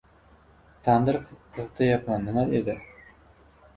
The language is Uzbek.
— Tandir qizitayapman, nima edi?